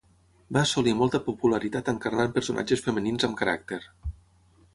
Va assolir molta popularitat encarnant personatges femenins amb caràcter.